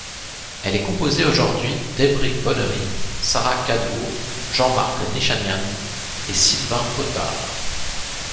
Elle est composée aujourd'hui d'Aymeric Bonnery, Sarah Kaddour, Jean-Marc Nichanian et Sylvain Potard.